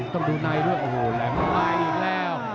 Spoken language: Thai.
ต้องดูในด้วยโอ้โหแหลมมาอีกแล้ว